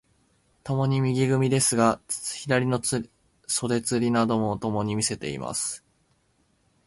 共に右組ですが、左の袖釣などをともに見せています。